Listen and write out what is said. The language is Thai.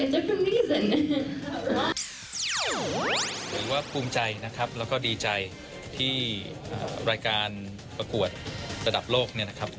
ถือว่าภูมิใจนะครับแล้วก็ดีใจที่รายการประกวดระดับโลกเนี่ยนะครับ